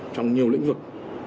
trong nhiều lĩnh vực